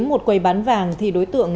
một quầy bán vàng thì đối tượng